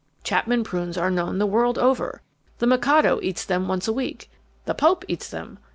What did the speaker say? Chapman prunes are known the world over. The Mikado eats them once a week. The Pope eats them.